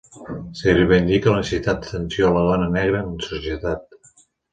S’hi reivindica la necessitat d’atenció a la dona negra en societat.